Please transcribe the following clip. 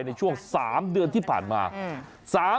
ในช่วง๓เดือนที่ผ่านมา